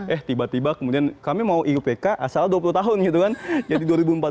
eh tiba tiba kemudian kami mau iupk asal dua puluh tahun gitu kan jadi dua ribu empat belas